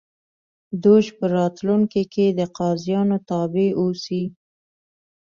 دوج په راتلونکي کې د قاضیانو تابع اوسي